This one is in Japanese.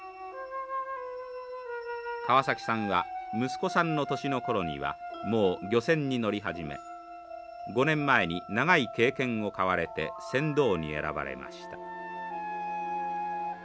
川崎さんは息子さんの年の頃にはもう漁船に乗り始め５年前に長い経験を買われて船頭に選ばれました。